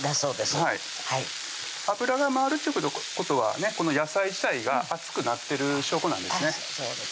はい油が回るってことはこの野菜自体が熱くなってる証拠なんですねあっ